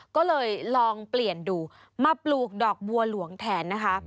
ก็เลยลองเปลี่ยนดูมาปลูกดอกบัวหลวงแทนนะคะ